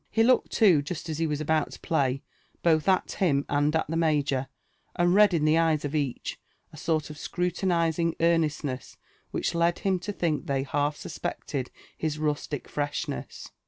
He looked too, just as he was about to play, both at him and at the major, and read in the eyes of each a sort of scrutinising earnestness which led him to think they half suspected his rustic freshness.